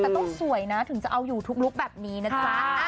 แต่ต้องสวยนะถึงจะเอาอยู่ทุกลุคแบบนี้นะจ๊ะ